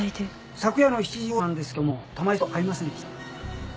昨夜の７時頃なんですけども玉井さんと会いませんでした？